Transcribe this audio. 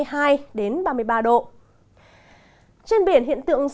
trên biển hiện tượng sương mù nền nhiệt bắt đầu tăng nhanh